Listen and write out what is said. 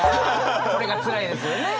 これがつらいですよね！